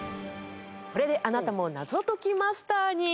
これであなたも謎解きマスターに！